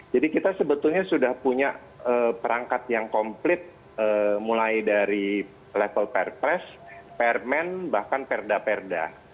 jadi kita sebetulnya sudah punya perangkat yang komplit mulai dari level perpres permen bahkan perda perda